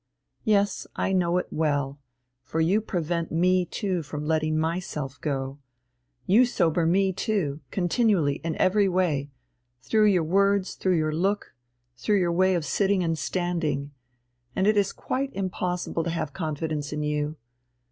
Yes, I know it well, for you prevent me too from letting myself go, you sober me too, continually, in every way, through your words, through your look, through your way of sitting and standing, and it is quite impossible to have confidence in you.